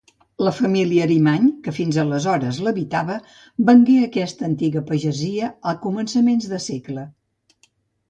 La família Arimany, que fins aleshores l'habitava, vengué aquesta antiga pagesia a començaments de segle.